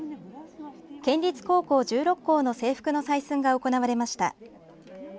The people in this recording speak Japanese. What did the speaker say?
県立高校１６校の制服の採寸が行われました。